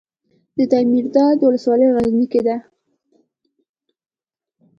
د دایمیرداد ولسوالۍ غرنۍ ده